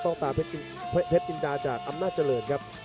ต้องตาเพชรจินดาจากอำนาจริงครับ